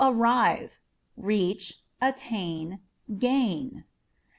To Arrive â€" reach, attain, gain.